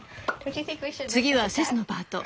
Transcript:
次はセスのパート。